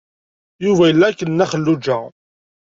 Yuba yella akked Nna Xelluǧa.